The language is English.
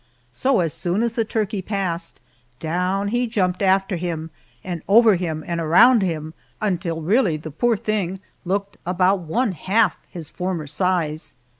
So as soon as the turkey passed, down he jumped after him, and over him and around him, until really the poor thing looked about one half his former size.